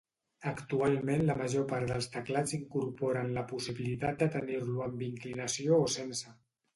Actualment la major part de teclats incorporen la possibilitat de tenir-lo amb inclinació o sense.